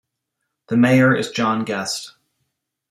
The mayor is John Guest.